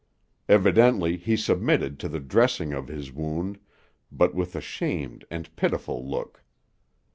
Evidently he submitted to the dressing of his wound, but with a shamed and pitiful look.